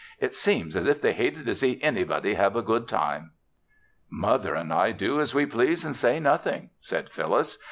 "It seems as if they hated to see anybody have a good time." "Mother and I do as we please and say nothing," said Phyllis.